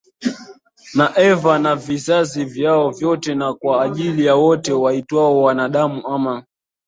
na Eva na vizazi vyao vyote na kwa ajili ya wote waitwao wanadamu ama